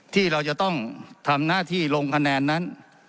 ที่เราจะต้องทำหน้าที่ลงคะแนนนั้น